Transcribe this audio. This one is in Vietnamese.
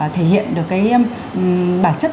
thể hiện được cái bản chất